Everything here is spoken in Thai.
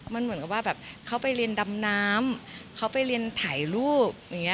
มันเหมือนกับว่าแบบเขาไปเรียนดำน้ำเขาไปเรียนถ่ายรูปอย่างนี้